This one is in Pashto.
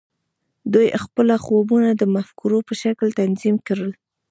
دوی خپل خوبونه د مفکورو په شکل تنظیم کړل